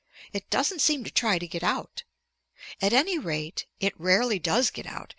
It doesn't seem to try to get out. At any rate it rarely does get out.